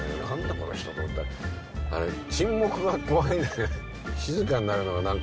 「何だこの人？」と思ったらあれ沈黙が怖いんだね。